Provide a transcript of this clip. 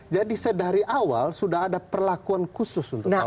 jadi sedari awal sudah ada perlakuan khusus untuk pak oso